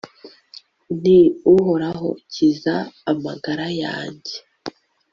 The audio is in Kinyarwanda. nti uhoraho, kiza amagara yanjye